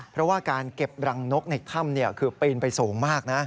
เพราะว่าการเก็บรังนกในถ้ำคือปีนไปสูงมากนะ